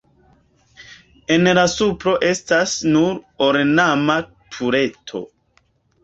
En la supro estas nur ornama tureto.